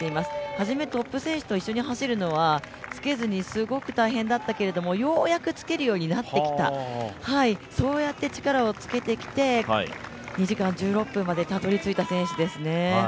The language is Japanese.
始めトップ選手と一緒に走るのはつけずに大変だったけれどもようやくつけるようになってきたそうやって力をつけてきて、２時間１６分までたどりついた選手ですね。